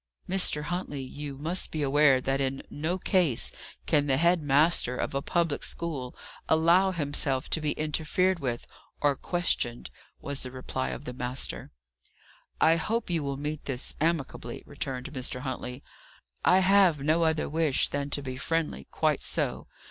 "Mr. Huntley, you must be aware that in no case can the head master of a public school allow himself to be interfered with, or questioned," was the reply of the master. "I hope you will meet this amicably," returned Mr. Huntley. "I have no other wish than to be friendly; quite so.